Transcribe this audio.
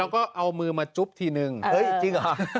ก็เจอทักทายพี่เนี่ย